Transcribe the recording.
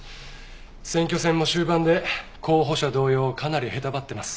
選挙戦も終盤で候補者同様かなりへたばってます。